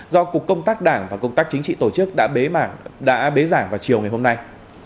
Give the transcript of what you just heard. do cục công tác đảng và công tác chính trị tổ chức đã bế giảng vào chiều ngày hôm nay